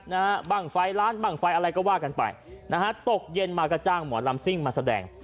นะฮะบ้างไฟล้านบ้างไฟอะไรก็ว่ากันไปนะฮะตกเย็นมาก็จ้างหมอลำซิ่งมาแสดง